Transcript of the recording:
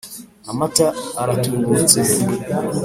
amata aratubutse